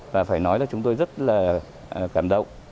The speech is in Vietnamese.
và phải nói là chúng tôi rất là cảm động